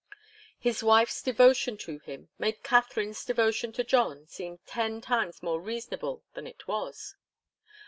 His wife's devotion to him made Katharine's devotion to John seem ten times more reasonable than it was.